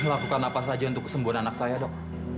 melakukan apa saja untuk kesembuhan anak saya dok